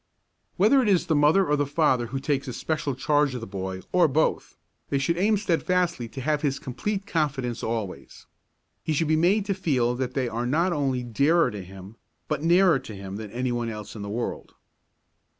Whether it is the mother or the father who takes especial charge of the boy, or both, they should aim steadfastly to have his complete confidence always. He should be made to feel that they are not only dearer to him, but nearer to him than any one else in the world.